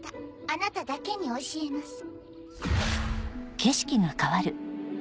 あなただけに教えます。